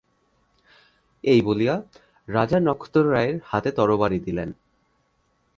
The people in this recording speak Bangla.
এই বলিয়া রাজা নক্ষত্ররায়ের হাতে তরবারি দিলেন।